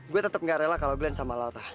gue tetep nggak rela kalau glenn sama laura